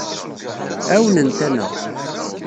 Ɛawnent-aneɣ.